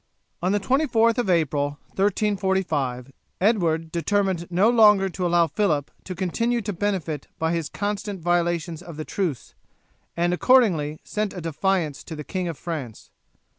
On the 24th of April, 1345, Edward determined no longer to allow Phillip to continue to benefit by his constant violations of the truce, and accordingly sent a defiance to the King of France.